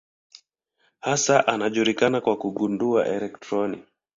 Hasa anajulikana kwa kugundua elektroni.